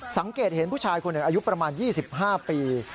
สังเกตเห็นผู้ชายคนหนึ่งอายุประมาณ๒๕ปี